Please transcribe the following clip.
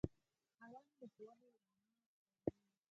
قلم د ښوونې رڼا خپروي